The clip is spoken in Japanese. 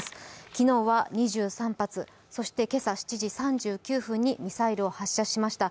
昨日は２３発、そして今朝７時３９分にミサイルを発射しました。